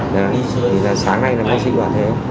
thì là sáng nay là ngay sinh hoạt thế